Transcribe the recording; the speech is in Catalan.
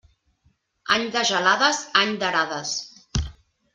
Any de gelades, any d'erades.